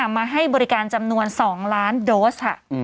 มาให้บริการจำนวน๒ล้านโดสค่ะ